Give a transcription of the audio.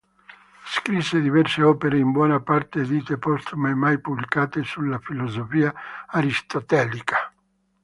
Scrisse diverse opere, in buona parte edite postume o mai pubblicate, sulla filosofia aristotelica.